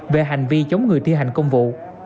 về hành vi chống người thi hành công vụ